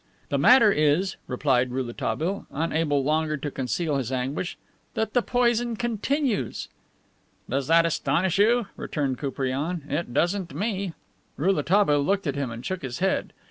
"The matter is," replied Rouletabille, unable longer to conceal his anguish, "that the poison continues." "Does that astonish you?" returned Koupriane. "It doesn't me." Rouletabille looked at him and shook his head.